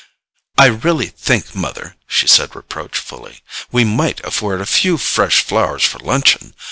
"I really think, mother," she said reproachfully, "we might afford a few fresh flowers for luncheon.